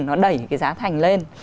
nó đẩy cái giá thành lên